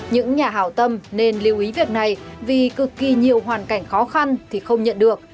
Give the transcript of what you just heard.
những nhà hào tâm nên lưu ý việc này vì cực kỳ nhiều hoàn cảnh khó khăn thì không nhận được